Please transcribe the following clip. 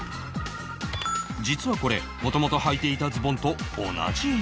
実はこれ元々はいていたズボンと同じ色